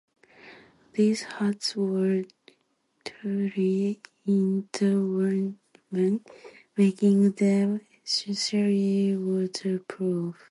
These hats were tightly interwoven, making them essentially waterproof.